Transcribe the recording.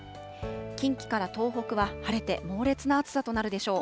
近畿から東北は晴れて、猛烈な暑さとなるでしょう。